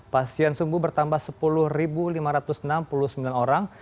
pasien sembuh bertambah sepuluh lima ratus enam puluh sembilan orang